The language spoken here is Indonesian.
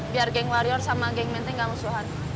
biar geng warrior sama geng menteng gak musuhan